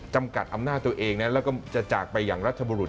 จำกัดอำนาจตัวเองนะแล้วก็จะจากไปอย่างรัฐบุรุษ